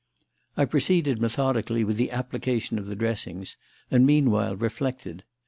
I proceeded methodically with the application of the dressings, and meanwhile reflected.